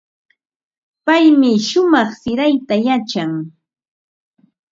Paymi shumaq sirayta yachan.